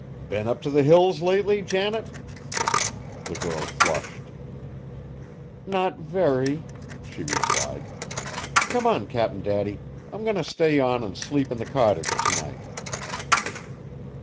"Been up to the Hills lately, Janet?" The girl flushed. "Not very," she replied. "Come on, Cap'n Daddy, I'm going to stay on and sleep in the cottage to night."